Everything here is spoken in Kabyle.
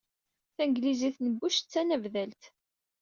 Tanglizit n Bush d tanablalt.